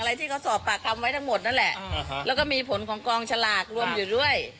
พี่เลยคิดว่าแอบนำเอกสารที่ก็ไม่มีเขาจะทำแบบนั้น